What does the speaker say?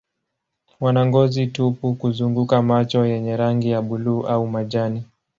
Wana ngozi tupu kuzunguka macho yenye rangi ya buluu au majani.